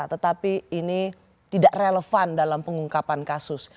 tetapi ini tidak relevan dalam pengungkapan kasus